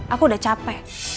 aku udah capek